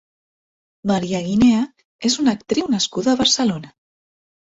María Guinea és una actriu nascuda a Barcelona.